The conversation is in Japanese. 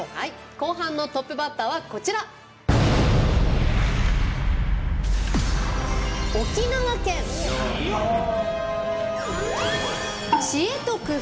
後半のトップバッターは沖縄県「知恵と工夫！